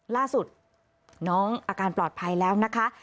ล่าสุดน้องอาการปลอดภัยแล้วนะคะ